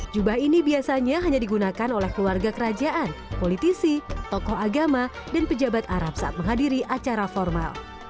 jubah ini biasanya hanya digunakan oleh keluarga kerajaan politisi tokoh agama dan pejabat arab saat menghadiri acara formal